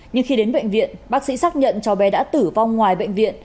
nhưng khi đến bệnh viện bác sĩ xác nhận cháu bé đã tử vong ngoài bệnh viện